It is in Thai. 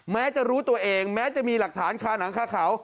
แม้จะรู้ตัวเองแม้จะมีหลักฐานคาหนังคาเขา